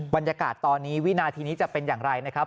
บรรยากาศตอนนี้วินาทีนี้จะเป็นอย่างไรนะครับ